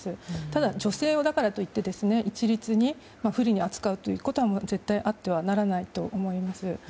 ただ、女性だからといって一律に不利に扱うというのは絶対にあってはならないと思います。